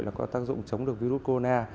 là có tác dụng chống được virus corona